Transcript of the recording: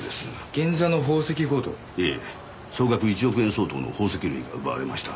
ええ総額１億円相当の宝石類が奪われました。